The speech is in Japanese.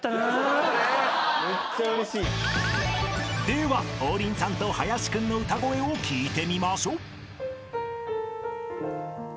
［では王林さんと林君の歌声を聞いてみましょう］